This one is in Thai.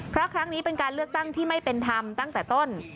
เพราะครั้งนี้เป็นการเลือกตั้งที่ไม่เป็นธรรมตั้งแต่ต้น